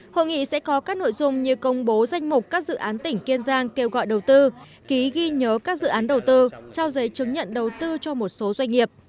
hội nghị sẽ có các nội dung như công bố danh mục các dự án tỉnh kiên giang kêu gọi đầu tư ký ghi nhớ các dự án đầu tư trao giấy chứng nhận đầu tư cho một số doanh nghiệp